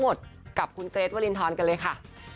หมดกับคุณเจสวลินทรน์กันเลยค่ะ